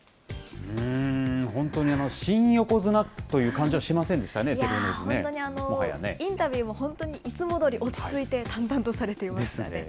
本当に新横綱という感じはしませんでしたね、照ノ富士ね、インタビューも本当にいつもどおり落ち着いて、淡々とされていましたね。